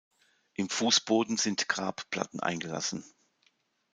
Im Fußboden sind Grabplatten eingelassen.